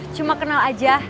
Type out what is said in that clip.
cuma kenal aja